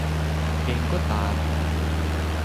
เองก็ตาม